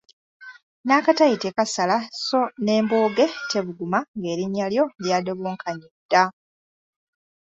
N'akataayi tekasala so n'embooge tebuguma ng'erinnya lyo ly'adobonkanye dda!